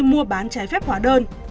mua bán trái phép hóa đơn